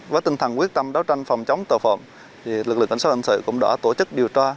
với tinh thần quyết tâm đấu tranh phòng chống tội phạm lực lượng cảnh sát hình sự cũng đã tổ chức điều tra